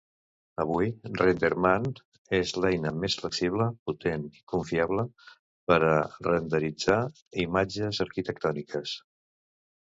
Avui RenderMan és l'eina més flexible, potent i confiable per a renderitzar imatges arquitectòniques.